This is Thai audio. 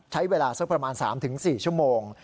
ใช้เวลาสักประมาณ๓๔ชั่วโมง